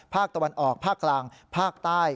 ภาคตะวันออกภาคกลางภาคใต้